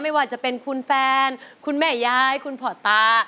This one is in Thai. ไม่ว่าจะเป็นคุณแฟนคุณแม่ยายคุณพ่อตา